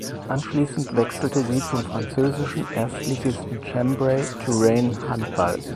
Anschließend wechselte sie zum französischen Erstligisten Chambray Touraine Handball.